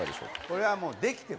・これはもう。